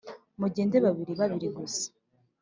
mugende babiri babiri gusa